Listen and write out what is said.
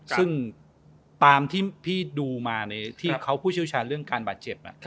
ซึ่งตามที่พี่ดูมาในที่เขาผู้เชี่ยวชาญเรื่องการบาดเจ็บ